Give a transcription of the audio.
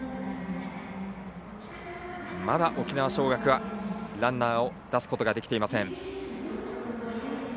まだ沖縄尚学はランナーを出すことができていません。